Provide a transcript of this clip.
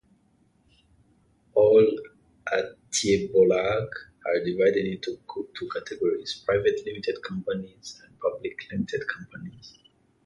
All "aktiebolag" are divided into two categories: private limited companies and public limited companies.